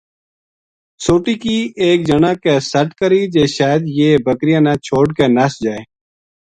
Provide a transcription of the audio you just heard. سوٹی کی ایک جنا کے سَٹ کری جے شاید یہ بکریاں نا چھوڈ کے نس جائے